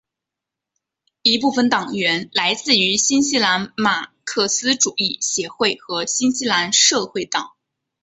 一部分党员来自于新西兰马克思主义协会和新西兰社会党。